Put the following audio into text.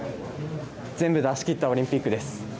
全部出しきったオリンピックです。